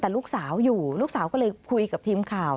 แต่ลูกสาวอยู่ลูกสาวก็เลยคุยกับทีมข่าว